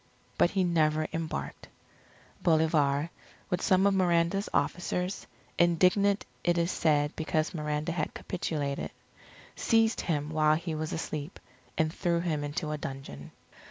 But he never embarked. Bolivar, with some of Miranda's officers, indignant it is said because Miranda had capitulated, seized him while he was asleep, and threw him into a dungeon.